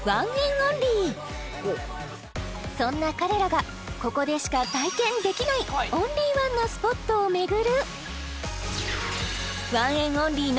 そんな彼らがここでしか体験できないオンリーワンなスポットを巡る